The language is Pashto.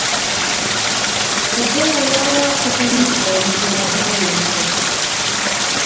په بله لاره فکر نه کوم چې را بهر یې کړو.